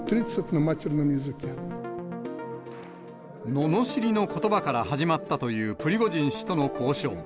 ののしりのことばから始まったというプリゴジン氏との交渉。